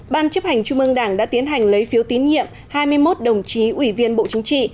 một ban chấp hành chung mương đảng đã tiến hành lấy phiếu tín nhiệm hai mươi một đồng chí ủy viên bộ chính trị